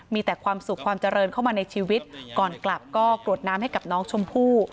มีแต่ความสุขความเจริญเข้ามาในชีวิตก่อนกลับก็กรวดน้ำให้กับน้องชมพู่